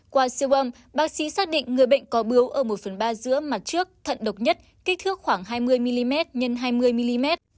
qua siêu âm bác sĩ xác định người bệnh có bướu ở một phần ba giữa mặt trước thận độc nhất kích thước khoảng hai mươi mm x hai mươi mm